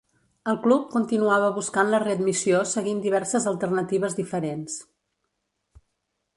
El club continuava buscant la readmissió seguint diverses alternatives diferents.